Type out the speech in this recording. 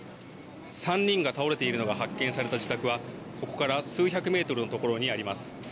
３人が倒れているのが発見された自宅はここから数百メートルの所にあります。